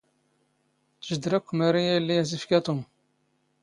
ⵜⵊⴷⵔ ⴰⴽⴽⵯ ⵎⴰⵔⵉ ⴰⵢⵍⵍⵉ ⴰⵙ ⵉⴽⴼⴰ ⵜⵓⵎ.